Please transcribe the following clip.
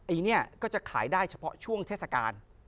อันนี้ก็จะขายได้เฉพาะช่วงเทศกาล